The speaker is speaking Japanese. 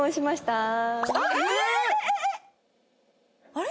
あれ？